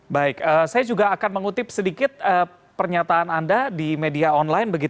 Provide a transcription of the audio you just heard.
baik saya juga akan mengutip sedikit pernyataan anda di media online